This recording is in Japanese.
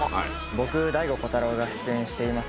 僕醍醐虎汰朗が出演しています